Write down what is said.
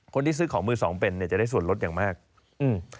คนที่ซื้อของมือสองเป็นเนี้ยจะได้ส่วนลดอย่างมากอืม